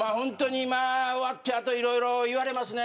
終わっていろいろ言われますね。